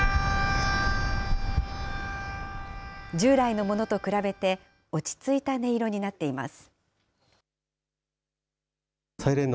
従来のものと比べて落ち着いた音色になっています。